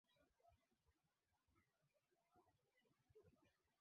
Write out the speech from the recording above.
Baada ya Karume kufariki Nyerere aliwasilisha na kupitishwa kwenye Bunge la Muungano